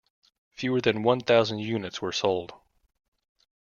Fewer than one thousand units were sold.